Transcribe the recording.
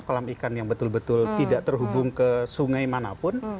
kolam ikan yang betul betul tidak terhubung ke sungai manapun